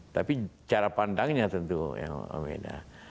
tapi cara pandangnya tentu yang beda